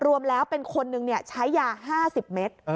รวมแล้วเป็นคนหนึ่งใช้ยา๕๐เมตร